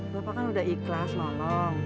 bapak kan udah ikhlas malam